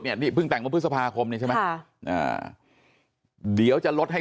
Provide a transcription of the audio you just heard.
เนี้ยนี่เพิ่งแต่งมาพฤษภาคมนี่ใช่ไหมอ่าเดี๋ยวจะลดให้